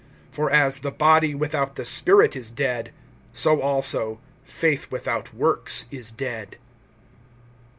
(26)For as the body without the spirit is dead, so also faith without works is dead.